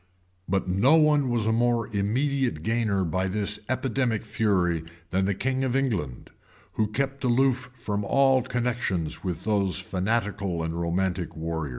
[] But no one was a more immediate gainer by this epidemic fury than the king of England, who kept aloof from all connections with those fanatical and romantic warriors.